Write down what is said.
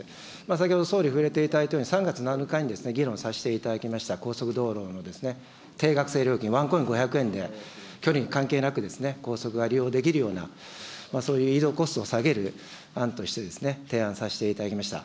先ほど総理、触れていただきましたように、３月７日に議論させていただきました、高速道路の定額制料金、ワンコイン５００円で距離に関係なく、高速が利用できるような、そういう移動コストを下げる案として、提案させていただきました。